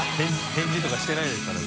返事とかしてないですから